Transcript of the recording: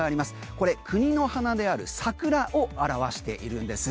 これ、国の花である桜を表しているんです。